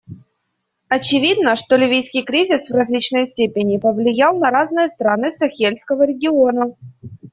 Очевидно, что ливийский кризис в различной степени повлиял на разные страны Сахельского региона.